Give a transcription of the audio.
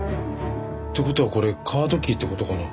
って事はこれカードキーって事かな？